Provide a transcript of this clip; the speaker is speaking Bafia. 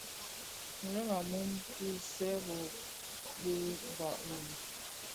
Nlem a mum ki zerbo, bi bag wii,